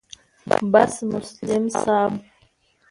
بس مسلم صاحب